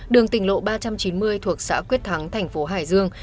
đường tỉnh lộ ba trăm chín mươi thuộc xã quyết thắng thành phố hải dương